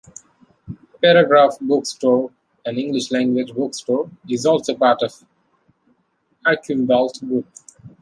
Paragraphe Bookstore, an English-language bookstore, is also part of Archambault Group.